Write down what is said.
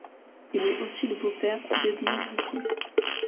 Il est aussi le beau-père d'Edmond Gressier.